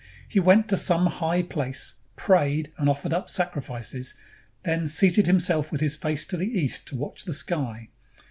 He went to some high place, prayed, and offered up sacrifices, then seated himself with his face to the east to watch the sky.